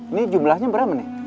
ini jumlahnya berapa nih